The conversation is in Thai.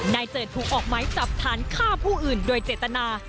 เจิดถูกออกไม้จับฐานฆ่าผู้อื่นโดยเจตนา